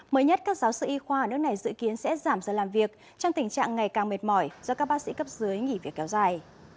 mới nhất các giáo sư y khoa ở nước này dự kiến sẽ giảm giờ làm việc trong tình trạng ngày càng mệt mỏi do các bác sĩ cấp dưới nghỉ việc kéo dài